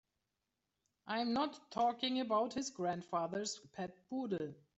I'm not talking about his grandfather's pet poodle.